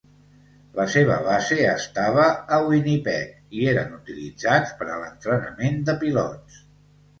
La seva base estava a Winnipeg i eren utilitzats per a l'entrenament de pilots.